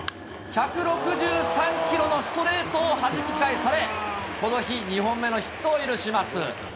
１６３キロのストレートをはじき返され、この日２本目のヒットを許します。